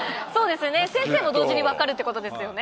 先生も同時に分かるってことですよね。